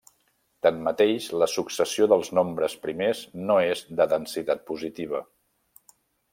Tanmateix la successió dels nombres primers no és de densitat positiva.